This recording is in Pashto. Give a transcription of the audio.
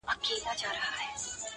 ستا خو صرف خندا غواړم چي تا غواړم.